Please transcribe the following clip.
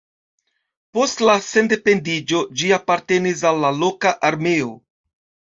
Post la sendependiĝo ĝi apartenis al la loka armeo.